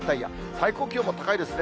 最高気温も高いですね。